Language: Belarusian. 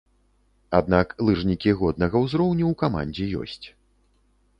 Аднак лыжнікі годнага ўзроўню ў камандзе ёсць.